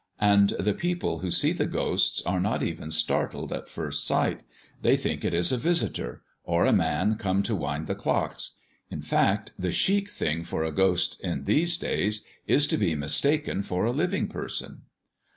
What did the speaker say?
And the people who see the ghosts are not even startled at first sight; they think it is a visitor, or a man come to wind the clocks. In fact, the chic thing for a ghost in these days is to be mistaken for a living person."